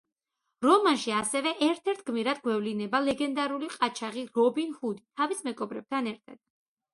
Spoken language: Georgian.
რომანში ასევე, ერთ-ერთ გმირად გვევლინება ლეგენდარული ყაჩაღი რობინ ჰუდი, თავის მეგობრებთან ერთად.